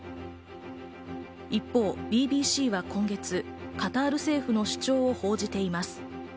一方、ＢＢＣは今月、カタール政府の主張を報じています。